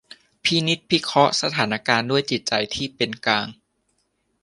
พินิจพิเคราะห์สถานการณ์ด้วยจิตใจที่เป็นกลาง